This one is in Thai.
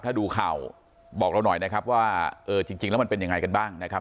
ถ้าดูข่าวบอกเราหน่อยนะครับว่าเออจริงแล้วมันเป็นยังไงกันบ้างนะครับ